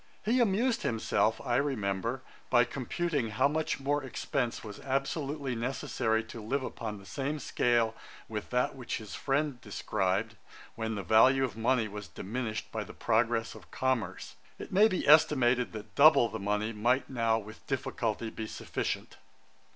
He amused himself, I remember, by computing how much more expence was absolutely necessary to live upon the same scale with that which his friend described, when the value of money was diminished by the progress of commerce. It maybe estimated that double the money might now with difficulty be sufficient.